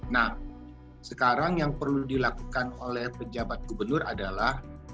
nah sekarang yang perlu dilakukan oleh pejabat gubernur adalah